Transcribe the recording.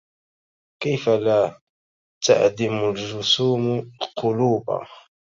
كيف لا تعدم الجسوم القلوبا